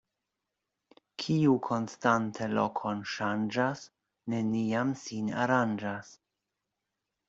Kiu konstante lokon ŝanĝas, neniam sin aranĝas.